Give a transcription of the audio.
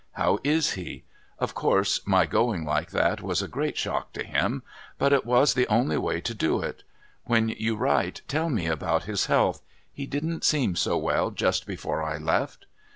How is he? Of course my going like that was a great shock to him, but it was the only way to do it. When you write tell me about his health. He didn't seem so well just before I left.